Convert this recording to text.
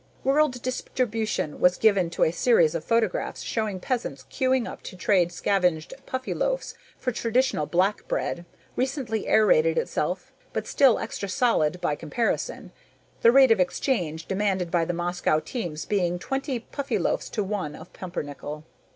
World distribution was given to a series of photographs showing peasants queueing up to trade scavenged Puffyloaves for traditional black bread, recently aerated itself but still extra solid by comparison, the rate of exchange demanded by the Moscow teams being twenty Puffyloaves to one of pumpernickel.